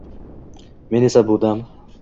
men esa bu dam